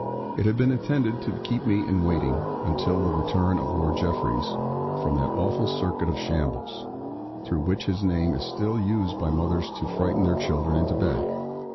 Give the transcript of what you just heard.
It had been intended to keep me in waiting, until the return of Lord Jeffreys, from that awful circuit of shambles, through which his name is still used by mothers to frighten their children into bed.